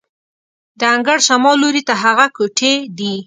د انګړ شمال لوري ته هغه کوټې دي.